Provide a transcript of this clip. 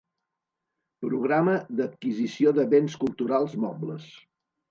Programa d'adquisició de béns culturals mobles.